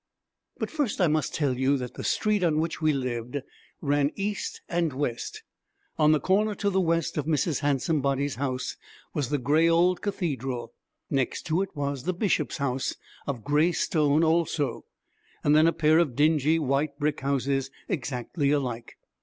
But first, I must tell you that the street on which we lived ran east and west. On the corner to the west of Mrs. Handsomebody's house was the gray old cathedral; next to it was the Bishop's house, of gray stone also; then a pair of dingy, white brick houses exactly alike.